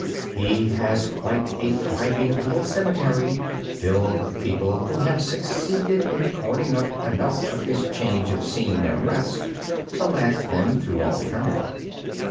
He has quite a thriving little cemetery filled with people who have succeeded in cording up enough of his change of scene and rest to last them through all eternity.